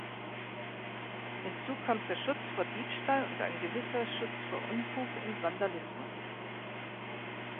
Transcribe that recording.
Hinzu kommt der Schutz vor Diebstahl und ein gewisser Schutz vor Unfug und Vandalismus.